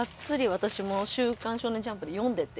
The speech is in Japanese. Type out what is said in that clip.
私も「週刊少年ジャンプ」で読んでて。